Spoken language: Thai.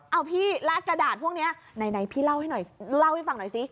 เอาพี่แล้วกระดาษพวกนี้ไหนพี่เล่าให้หน่อยเล่าให้ฟังหน่อยสิ